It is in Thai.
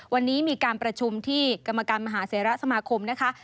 วันนี้มีการประชุมที่กรรมการมหาเสรสมาคมนะคะ